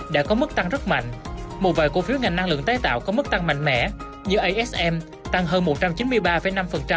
những ngành năng lượng tái tạo có mức tăng mạnh mẽ như asm tăng hơn một trăm chín mươi ba năm